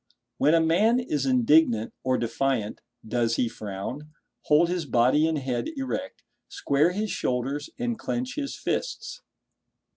When a man is indignant or defiant does he frown, hold his body and head erect, square his shoulders and clench his fists?